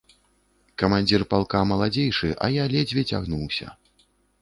Камандзір палка маладзейшы, а я ледзьве цягнуўся.